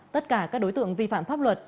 tất cả các đối tượng vi phạm pháp luật